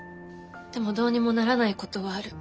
でもどうにもならないことはある。